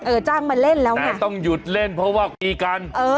จ้างมาเล่นแล้วไงต้องหยุดเล่นเพราะว่าคุยกันเออ